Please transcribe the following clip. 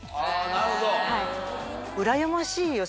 なるほど。